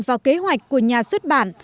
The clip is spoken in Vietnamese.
vào kế hoạch của nhà xuất bản